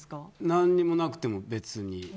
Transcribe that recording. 何にもなくても、別に。